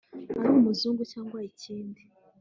ari umuzungu cyangwa ikindi